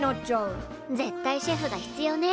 絶対シェフが必要ね。